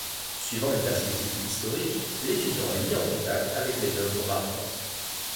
Suivant une perspective historique, l’étudiant est mis en contact avec les œuvres marquantes.